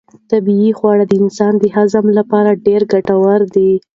طبیعي خواړه د انسان د هضم لپاره ډېر ګټور دي.